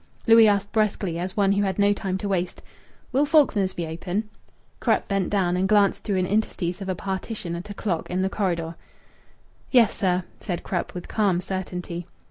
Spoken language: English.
Louis asked brusquely, as one who had no time to waste, "Will Faulkner's be open?" Krupp bent down and glanced through an interstice of a partition at a clock in the corridor. "Yes, sir," said Krupp with calm certainty.